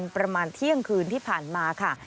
ประมาณเที่ยงคืนที่ผ่านมาค่ะ